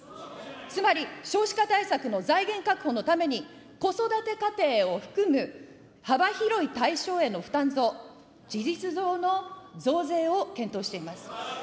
つまり少子化対策の財源確保のために、子育て家庭を含む幅広い対象への負担増、事実上の増税を検討しています。